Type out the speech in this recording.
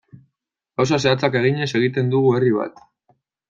Gauza zehatzak eginez egiten dugu herri bat.